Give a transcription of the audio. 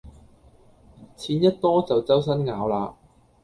錢一多就週身咬喇